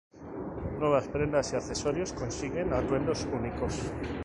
Nuevas prendas y accesorios: ¡Consigue atuendos únicos!